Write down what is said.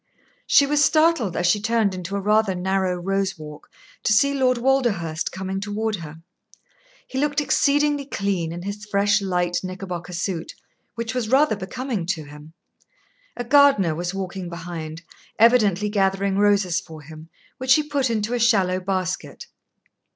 She was startled, as she turned into a rather narrow rose walk, to see Lord Walderhurst coming toward her. He looked exceedingly clean in his fresh light knickerbocker suit, which was rather becoming to him. A gardener was walking behind, evidently gathering roses for him, which he put into a shallow basket.